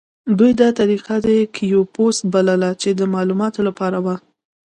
دوی دا طریقه کیوپوس بلله چې د معلوماتو لپاره وه.